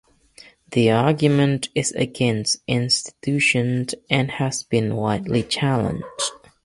The argument is against intuition and has been widely challenged.